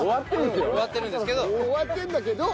終わってるんだけど。